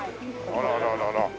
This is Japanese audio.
あららら。